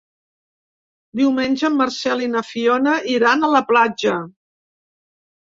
Diumenge en Marcel i na Fiona iran a la platja.